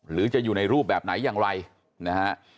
หรือจะอยู่ในรูปแบบไหนอย่างไรนะฮะ